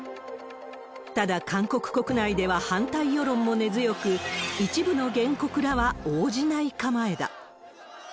ただ、韓国国内では反対世論も根強く、一部の原告らは応じない構えだ。